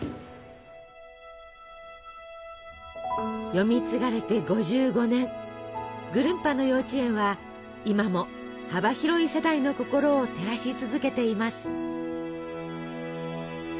読み継がれて５５年「ぐるんぱのようちえん」は今も幅広い世代の心を照らし続けています。